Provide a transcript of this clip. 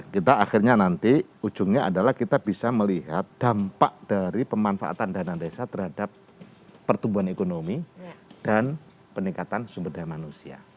kita akhirnya nanti ujungnya adalah kita bisa melihat dampak dari pemanfaatan dana desa terhadap pertumbuhan ekonomi dan peningkatan sumber daya manusia